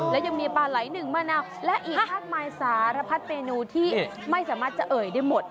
และยังมีปลาไหลหนึ่งมะนาวและอีกมากมายสารพัดเมนูที่ไม่สามารถจะเอ่ยได้หมด